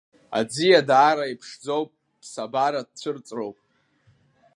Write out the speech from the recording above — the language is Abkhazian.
Аӡиа даара иԥшӡоу ԥсабаратә цәырҵроуп.